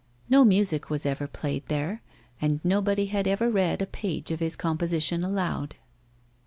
No music was ever played there, and nobody had ever read a page of his composition aloud.